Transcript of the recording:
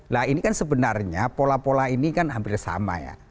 nah ini kan sebenarnya pola pola ini kan hampir sama ya